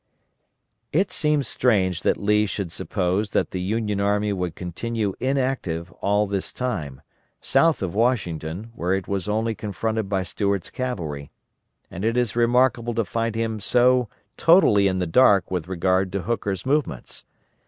It seems strange that Lee should suppose that the Union army would continue inactive all this time, south of Washington, where it was only confronted by Stuart's cavalry, and it is remarkable to find him so totally in the dark with regard to Hooker's movements.